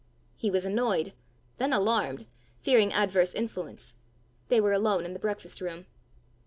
He was annoyed then alarmed, fearing adverse influence. They were alone in the breakfast room.